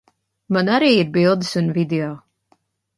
Man arī ir bildes un video.